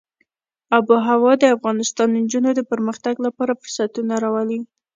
آب وهوا د افغان نجونو د پرمختګ لپاره فرصتونه راولي.